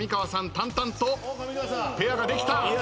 淡々とペアができた。